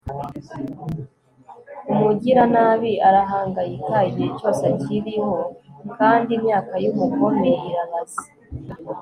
umugiranabi arahangayika igihe cyose akiriho, kandi imyaka y'umugome irabaze